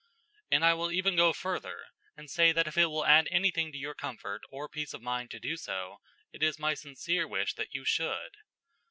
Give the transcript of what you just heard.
And I will even go further, and say that if it will add anything to your comfort or peace of mind to do so, it is my sincere wish that you should.